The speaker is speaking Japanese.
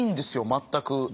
全く。